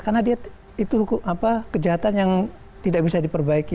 karena dia itu kejahatan yang tidak bisa diperbaiki